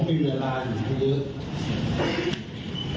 ผมมีเวลาอยู่ที่เยอะ